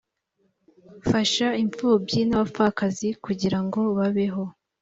fasha imfubyi n’umupfakazi kugira ngo babeho